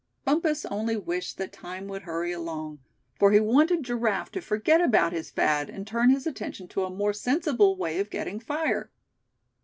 Bumpus only wished that time would hurry along, for he wanted Giraffe to forget about his fad, and turn his attention to a more sensible way of getting fire.